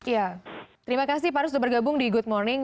ya terima kasih pak rus sudah bergabung di good morning